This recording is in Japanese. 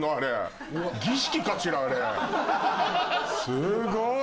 すごい！